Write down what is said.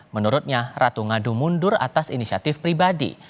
menurutnya ratu ngadu mundur atas inisiatif pribadi